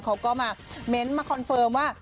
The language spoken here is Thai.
เขาก็มาคอนเฟิร์มว่า